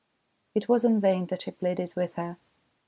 It was in vain that he pleaded with her.